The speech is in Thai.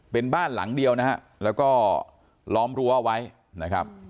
เป็นบ้านหลังเดียวนะฮะแล้วก็ล้อมรั้วเอาไว้นะครับ